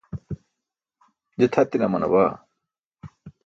je tʰatine amana baa